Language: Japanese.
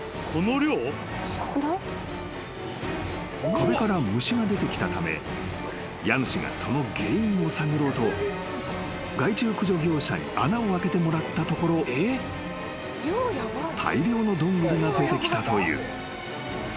［壁から虫が出てきたため家主がその原因を探ろうと害虫駆除業者に穴を開けてもらったところ大量のドングリが出てきたという］